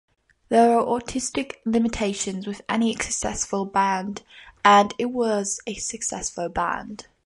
There are artistic limitations with any successful band, and it "was" a successful band.